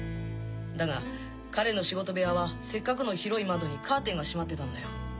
だが彼の仕事部屋はせっかくの広い窓にカーテンが閉まってたんだよ。